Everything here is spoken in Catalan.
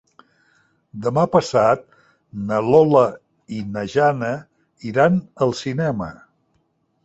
Demà passat na Lola i na Jana iran al cinema.